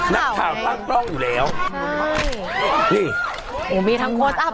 นักข่าวตั้งกล้องอยู่แล้วใช่นี่โอ้มีทั้งโค้ชอัพ